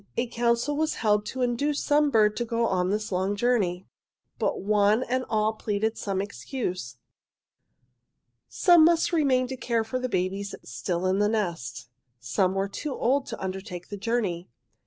A council was held to induce some bird to go on this long journey. "'But one and all pleaded some excuse. Some must remain to care for the babes still in the nest. Some were too old to undertake the journey.